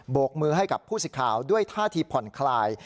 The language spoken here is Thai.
กมือให้กับผู้สิทธิ์ข่าวด้วยท่าทีผ่อนคลาย